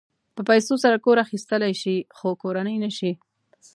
په پیسو سره کور اخيستلی شې خو کورنۍ نه شې.